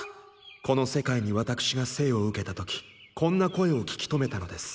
この世界に私が生を受けた時こんな声を聞き留めたのです。